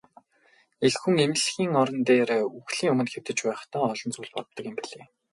Эх хүн эмнэлгийн орон дээр үхлийн өмнө хэвтэж байхдаа олон зүйл боддог юм билээ.